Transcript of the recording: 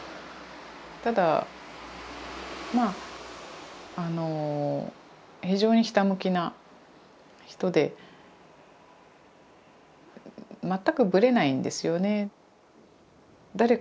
ただまああの非常にひたむきな人で全くブレないんですよね。